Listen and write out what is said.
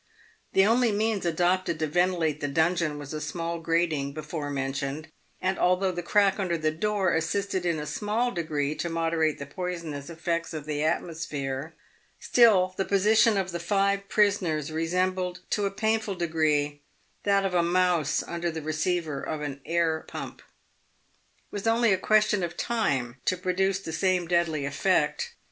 The only means adopted to ventilate the dungeon was the small grating before mentioned, and although the crack under the door assisted in a small degree to moderate the poisonous effects of the atmosphere, still the position of the five prisoners resembled, to a painful degree, that of a mouse under the receiver of an air pump. It was only a question of time to produce the same deadly effect.